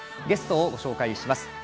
ゲストをご紹介します。